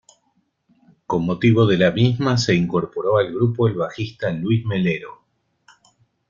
Con motivo de la misma se incorporó al grupo el bajista Luis Melero.